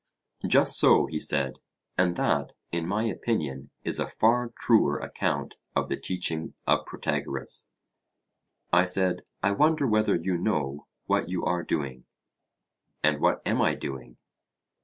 Just so, he said; and that, in my opinion, is a far truer account of the teaching of Protagoras. I said: I wonder whether you know what you are doing? And what am I doing?